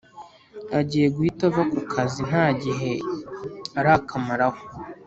agiye guhita ava kukazi ntagihe arakamaraho